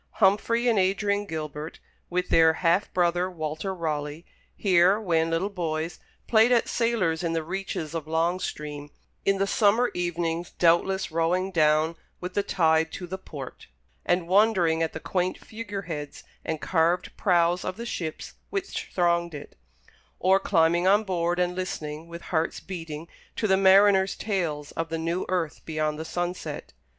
Humfrey and Adrian Gilbert, with their half brother, Walter Raleigh, here, when little boys, played at sailors in the reaches of Long Stream, in the summer evenings doubtless rowing down with the tide to the port, and wondering at the quaint figure heads and carved prows of the ships which thronged it; or climbing on board, and listening, with hearts beating, to the mariners' tales of the new earth beyond the sunset.